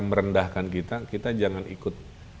merendahkan kita kita jangan ikut